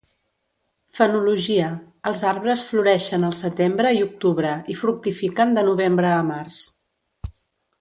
Fenologia: els arbres floreixen el setembre i octubre i fructifiquen de novembre a març.